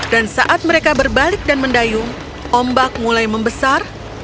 dan saat mereka berbalik dan mendayung ombak mulai membesar